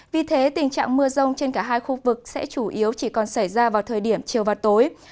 vì thế tình trạng mưa rông trên cả hai khu vực sẽ chủ yếu chỉ còn xảy ra vào thời điểm chiều và tối